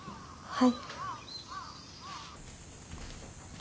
はい。